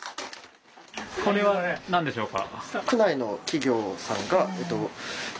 これは何でしょうか？